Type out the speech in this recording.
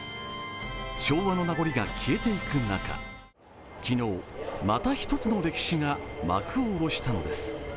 昭和のなごりが消えていく中、昨日、また一つの歴史が幕を下ろしたのです。